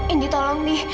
indi tolong bi